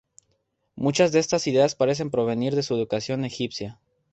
Muchas de estas ideas parecen provenir de su educación egipcia.